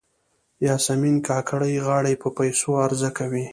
یاسمین کاکړۍ غاړې په پیسو عرضه کوي.